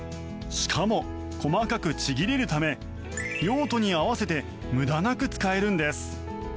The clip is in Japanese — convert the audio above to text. しかも、細かくちぎれるため用途に合わせて無駄なく使えるんです。